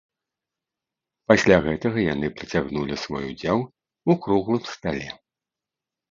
Пасля гэтага яны працягнулі свой удзел у круглым стале.